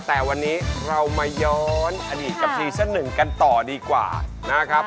แต่วันนี้เรามาย้อนอดีตกับซีซั่นหนึ่งกันต่อดีกว่านะครับ